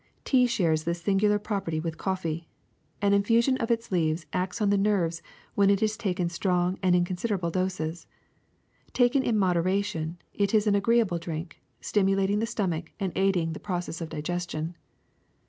Tea shares this singular property with coffee. An infusion of its leaves acts on the nerves when it is taken strong and in considerable doses. Taken in moderation, it is an agreeable drink, stimulating the stomach and aiding the process of digestion.